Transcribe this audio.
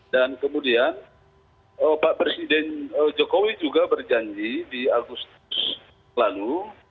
dan kemudian pak presiden jokowi juga berjanji di agustus lalu